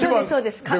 そうです。